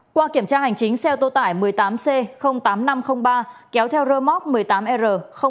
qua kiểm tra hành chính xe ô tô tải một mươi tám c tám nghìn năm trăm linh ba kéo theo rơ móc một mươi tám r hai trăm sáu mươi tám